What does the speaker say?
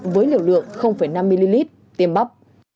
với liều lượng năm ml tiêm bắp